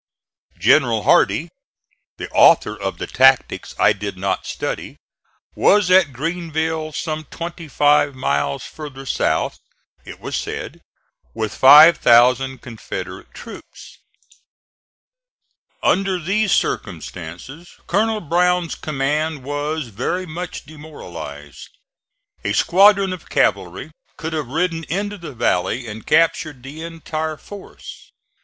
General Hardee the author of the tactics I did not study was at Greenville some twenty five miles further south, it was said, with five thousand Confederate troops. Under these circumstances Colonel Brown's command was very much demoralized. A squadron of cavalry could have ridden into the valley and captured the entire force.